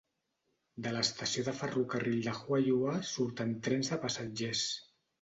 De l'estació de ferrocarril de Huaihua surten trens de passatgers.